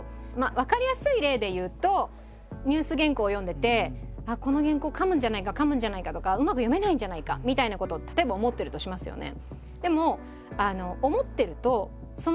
分かりやすい例で言うとニュース原稿を読んでてああこの原稿かむんじゃないかかむんじゃないかとかうまく読めないんじゃないかみたいなことを例えば思ってるとしますよね。